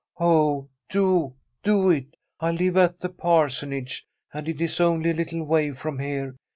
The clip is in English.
Oh, do do it! I live at the Parsonage, and it is only a little way from here.